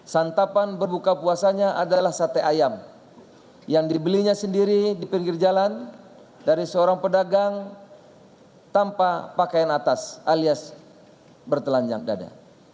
santapan berbuka puasanya adalah sate ayam yang dibelinya sendiri di pinggir jalan dari seorang pedagang tanpa pakaian atas alias bertelanjang dada